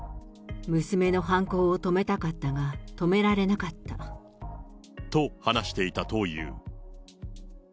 娘の犯行を止めたかったが、止められなかった。と話していたという。